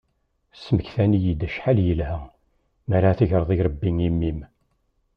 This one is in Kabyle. Smektayen-iyi-d acḥal yelha mi ara tegreḍ irebbi i mmi-m.